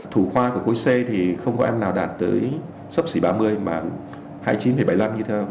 thủ khoa của cối c thì không có em nào đạt tới sốc xỉ ba mươi mà hai mươi chín bảy mươi năm như thế nào